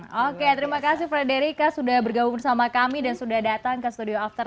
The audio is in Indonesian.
oke terima kasih frederica sudah bergabung bersama kami dan sudah datang ke studio after sepuluh